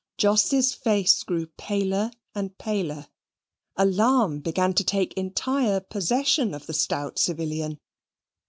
Jos's face grew paler and paler. Alarm began to take entire possession of the stout civilian.